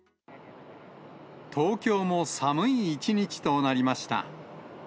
東京も寒い一日となりました。